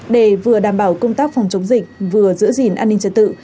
để vừa đảm bảo công tác phòng chống dịch vừa giữ gìn an ninh trật tự